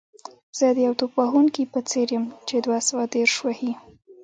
زه د یو توپ وهونکي په څېر یم چې دوه سوه دېرش وهي.